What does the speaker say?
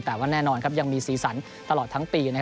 แต่ว่าแน่นอนครับยังมีสีสันตลอดทั้งปีนะครับ